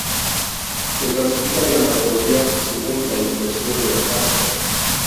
Se clasifican en la categoría según la inserción de las astas.